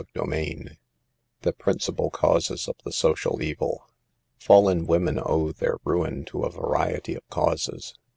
CHAPTER II THE PRINCIPAL CAUSES OP THE SOCIAL EVIL. Fallen women owe their ruin to a variety of causes.